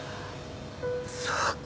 そうか！